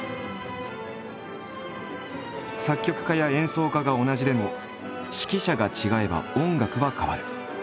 作曲家や演奏家が同じでも指揮者が違えば音楽は変わる。